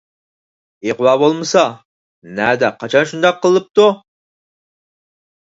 ئىغۋا بولمىسا، نەدە، قاچان شۇنداق قىلىپتۇ؟